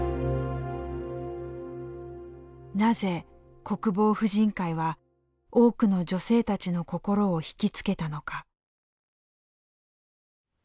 なぜ国防婦人会は多くの女性たちの心をひきつけたのか。